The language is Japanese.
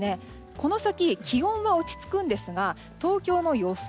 この先、気温は落ち着くんですが東京の予想